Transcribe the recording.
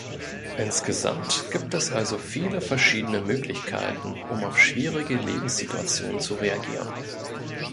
Insgesamt gibt es also viele verschiedene Möglichkeiten, um auf schwierige Lebenssituationen zu reagieren.